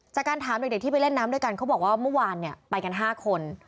จากการถามเด็กที่ไปเล่นน้ำด้วยกันเขาบอกว่าเมื่อวานเนี่ยไปกัน๕คน